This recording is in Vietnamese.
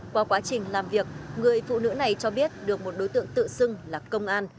qua quá trình làm việc người phụ nữ này cho biết được một đối tượng tự xưng là công an